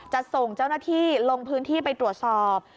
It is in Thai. จะส่งเจ้าหน้าที่ลงพื้นที่ไปตรวจสอบ